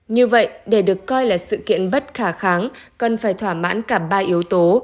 như vậy để được coi là sự kiện bất khả kháng cần phải thỏa mãn cả ba yếu tố